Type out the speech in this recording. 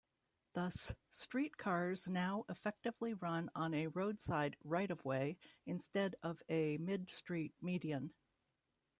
Thus, streetcars now effectively run on a roadside right-of-way instead of a mid-street median.